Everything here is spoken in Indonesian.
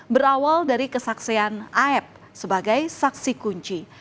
berawal dari kesaksian aep sebagai saksi kunci